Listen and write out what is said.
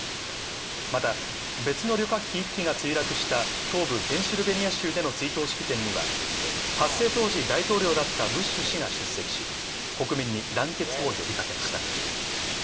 また、別の旅客機１機が墜落した東部ペンシルベニア州での追悼式典には発生当時、大統領だったブッシュ氏が出席し国民に団結を呼びかけました。